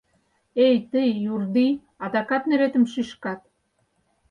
— Эй тый, юрдий, адакат неретым шӱшкат!